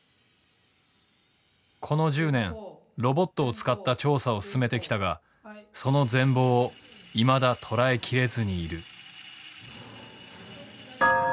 この１０年ロボットを使った調査を進めてきたがその全貌をいまだ捉え切れずにいる。